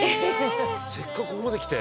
せっかくここまで来て？」